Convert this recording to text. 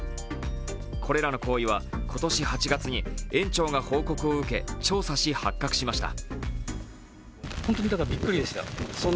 これらの行為は今年８月に園長が報告を受け調査し、発覚しました。